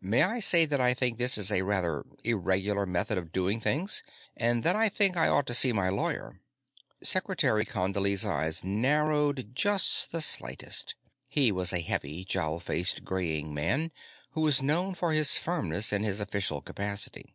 "May I say that I think this is a rather irregular method of doing things and that I think I ought to see my lawyer." Secretary Condley's eyes narrowed just the slightest. He was a heavy, jowl faced, graying man who was known for his firmness in his official capacity.